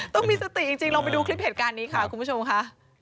ต้องมีสติจริงลองไปดูคลิปเหตุการณ์นี้ค่ะคุณผู้ชมค่ะ